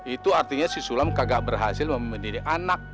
itu artinya si sulam kagak berhasil mendidik anak